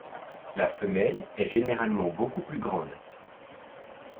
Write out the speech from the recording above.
La femelle est généralement beaucoup plus grande.